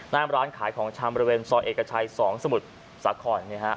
ร้านขายของชำบริเวณซอยเอกชัย๒สมุทรสาคร